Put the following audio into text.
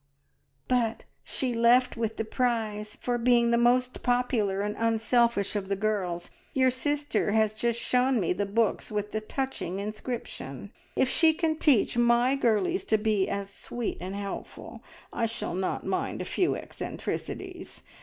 "But she left with the prize for being the most popular and unselfish of the girls! Your sister has just shown me the books with the touching inscription. If she can teach my girlies to be as sweet and helpful, I shall not mind a few eccentricities.